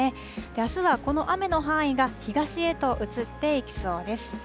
あすはこの雨の範囲が東へと移っていきそうです。